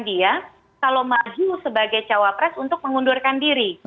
dia kalau maju sebagai cawapres untuk mengundurkan diri